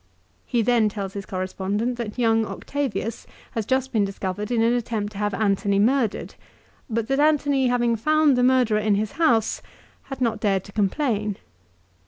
1 He then tells his correspondent that young Octavius has just been discovered in an attempt to have Antony murdered, but that Antony having found the murderer in his house had not dared to complain.